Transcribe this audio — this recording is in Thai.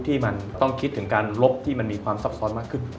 ที่มันต้องคิดถึงการลบที่มันมีความซับซ้อนมากขึ้น